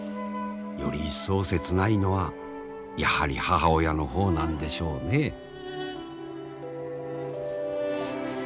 より一層切ないのはやはり母親の方なんでしょうねえ。